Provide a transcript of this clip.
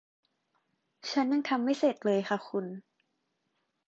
ฉันยังทำไม่เสร็จเลยค่ะคุณ